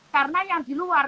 karena yang di luar